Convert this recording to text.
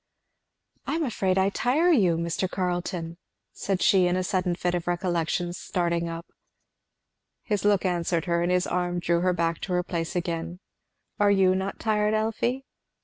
"I am afraid I tire you, Mr. Carleton!" said she in a sudden fit of recollection, starting up. His look answered her, and his arm drew her back to her place again. "Are you not tired, Elfie?"